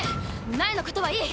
苗のことはいい。